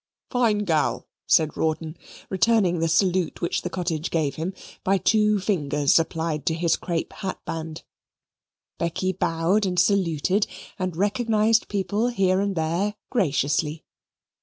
"Fine gal," said Rawdon, returning the salute which the cottage gave him, by two fingers applied to his crape hatband. Becky bowed and saluted, and recognized people here and there graciously.